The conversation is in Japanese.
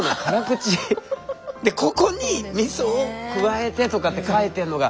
でここにみそを加えてとかって書いてんのが。